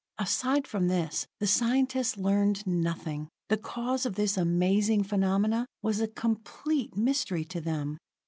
Aside from this, the scientists learned nothing; the cause of this amazing phenomenon was a complete mystery to them.